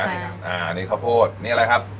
อันนี้ข้าวโพดนี่อะไรครับ